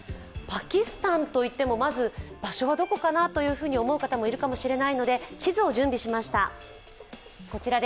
パキスタンといっても、まず場所はどこかなと思う方もいるかもしれないので地図を準備しました。